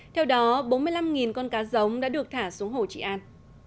theo đó bốn mươi năm con cá giống đã được thả xuống hồ trị an